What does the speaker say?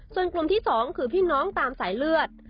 ส่วนกลุ่มที่๒คือพี่น้องตามสายเลือด